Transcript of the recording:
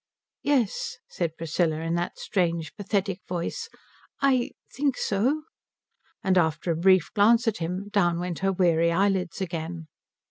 "Yes," said Priscilla in that strange pathetic voice, "I think so." And after a brief glance at him down went her weary eyelids again.